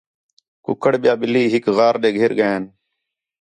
کُکّڑ، ٻِیا ٻلّھی ہِک غار ݙے گھر ڳئیان